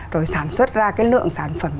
rồi sản xuất ra cái lượng sản phẩm